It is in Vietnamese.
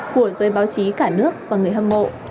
của giới báo chí cả nước và người hâm mộ